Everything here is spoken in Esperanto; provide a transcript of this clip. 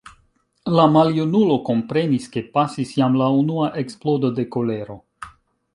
La maljunulo komprenis, ke pasis jam la unua eksplodo de kolero.